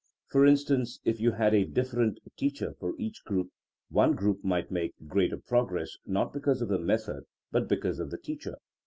For instance, if you had a different teacher for each group, one group might make greater progress not because of the method but because of the teacher.